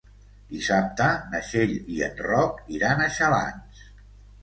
Dissabte na Txell i en Roc iran a Xalans.